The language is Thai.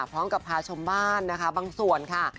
พร้อมกับพาชมบ้านนะคะบางส่วนค่ะ